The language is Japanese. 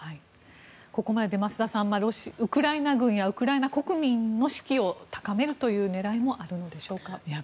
ここまでで、増田さんウクライナ軍やウクライナ国民の士気を高めるという狙いもあるんでしょうか。